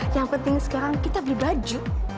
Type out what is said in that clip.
yang penting sekarang kita beli baju